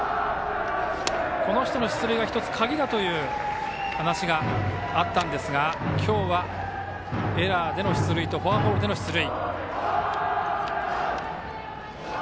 この人の出塁が１つ、鍵だという話があったんですが今日はエラーでの出塁とフォアボールでの出塁。